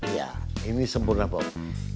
iya ini sempurna bob